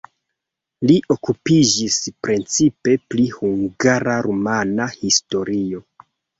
Li okupiĝis precipe pri hungara-rumana historio.